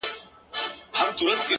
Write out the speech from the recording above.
نړوم غرونه د تمي” له اوږو د ملایکو”